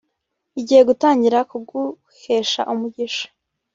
igiye gutangira kuguhesha umugisha